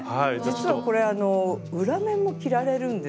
実はこれ裏面も着られるんですよ。